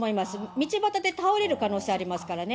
道端で倒れる可能性ありますからね。